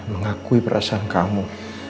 mengakui perasaan kamu